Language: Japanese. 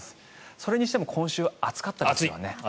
それにしても今週、暑かったですよね。